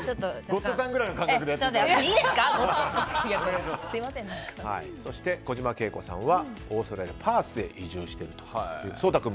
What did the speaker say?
「ゴッドタン」くらいの感覚でそして小島慶子さんはオーストラリア・パースへ移住していると。